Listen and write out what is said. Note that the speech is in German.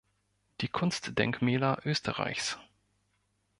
Die Kunstdenkmäler Österreichs.